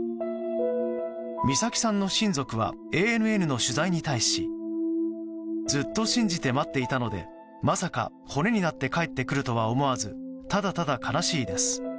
美咲さんの親族はＡＮＮの取材に対しずっと信じて待っていたのでまさか骨になって帰ってくるとは思わずただただ悲しいです。